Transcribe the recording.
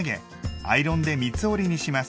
アイロンで三つ折りにします。